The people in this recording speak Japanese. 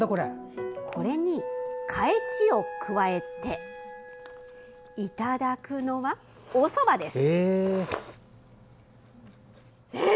これに返しを加えていただくのは、おそばです。